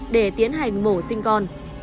để tiến hành mổ sinh con